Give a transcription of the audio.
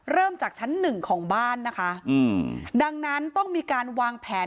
จากชั้นหนึ่งของบ้านนะคะอืมดังนั้นต้องมีการวางแผน